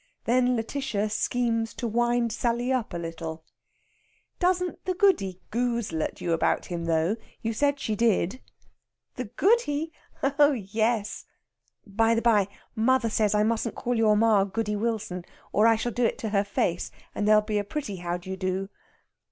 Then Lætitia schemes to wind Sally up a little. "Doesn't the Goody goozle at you about him, though? You said she did." "The Goody oh yes! (By the bye, mother says I mustn't call your ma Goody Wilson, or I shall do it to her face, and there'll be a pretty how do you do.)